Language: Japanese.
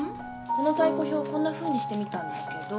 この在庫表こんなふうにしてみたんだけど。